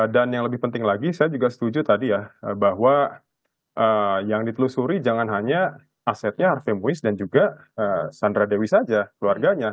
yang lebih penting lagi saya juga setuju tadi ya bahwa yang ditelusuri jangan hanya asetnya harvey muiz dan juga sandra dewi saja keluarganya